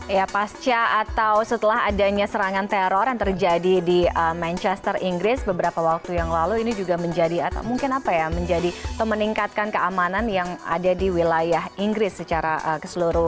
ya pasca atau setelah adanya serangan teror yang terjadi di manchester inggris beberapa waktu yang lalu ini juga menjadi atau mungkin apa ya menjadi atau meningkatkan keamanan yang ada di wilayah inggris secara keseluruhan